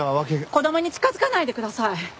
子供に近づかないでください。